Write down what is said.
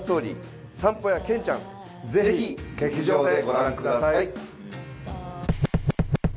『散歩屋ケンちゃん』ぜひ劇場でご覧ください。